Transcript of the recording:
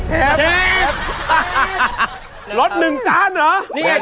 เชฟเชฟ